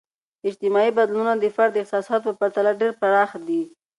اجتماعي بدلونونه د فرد احساساتو په پرتله ډیر پراخ دي.